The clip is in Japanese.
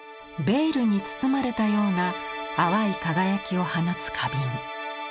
ベールに包まれたような淡い輝きを放つ花瓶。